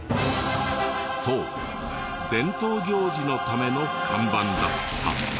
そう伝統行事のための看板だった。